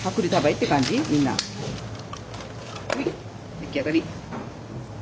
出来上がり。